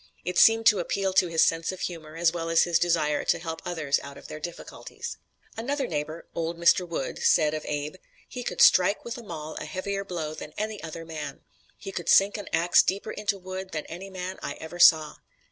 It seemed to appeal to his sense of humor as well as his desire to help others out of their difficulties. Another neighbor, "old Mr. Wood," said of Abe: "He could strike, with a maul, a heavier blow than any other man. He could sink an ax deeper into wood than any man I ever saw."